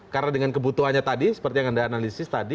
karena dengan kebutuhannya tadi seperti yang anda analisis tadi